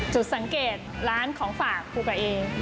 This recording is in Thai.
จุดสังเกตร้านของฝากภูกระเอง